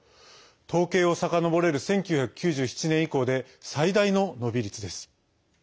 統計をさかのぼれる１９９７年以降で最大の伸び率です。